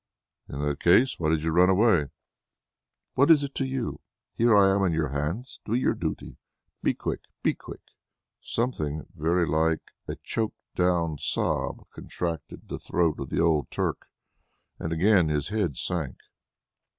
"In that case, why did you run away?" "What is that to you? Here I am in your hands; do your duty. But be quick! be quick!" Something very like a choked down sob contracted the throat of the old Turk, and again his head sank.